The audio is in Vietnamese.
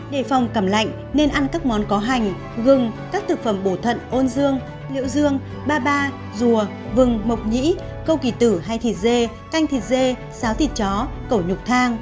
đề phòng cầm lạnh nên ăn các món có hành gừng các thực phẩm bổ thận ôn dương liệu dương ba ba rùa gừng mộc nhĩ câu kỳ tử hay thịt dê canh thịt dê xáo thịt chó cẩu nhục thang